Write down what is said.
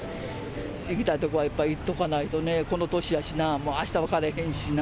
行きたい所はやっぱり行っとかないとな、この年やしな、もうあしたは分からへんしな。